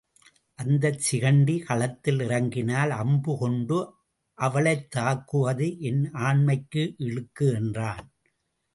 அந்தச் சிகண்டி களத்தில் இறங்கினால் அம்பு கொண்டு அவளைத்தாக்குவது என் ஆண்மைக்கு இழுக்கு என்றான்.